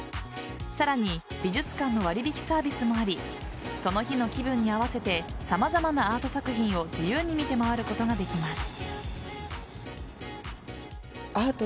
さらに美術館の割引サービスもありその日の気分に合わせて様々なアート作品を自由に見て回ることができます。